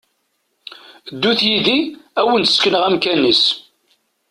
Ddut yid-i ad wen-d-sekneɣ amkan-is!